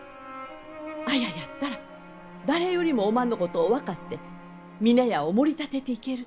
綾やったら誰よりもおまんのことを分かって峰屋をもり立てていける。